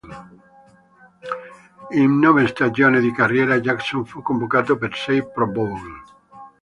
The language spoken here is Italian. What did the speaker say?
In nove stagioni di carriera, Jackson fu convocato per sei Pro Bowl.